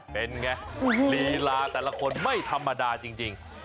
เป็นไงลีลาแต่ละคนไม่ธรรมดาจริง